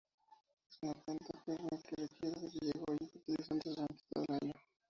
Es una planta perenne que requiere de riego y fertilizantes durante todo el año.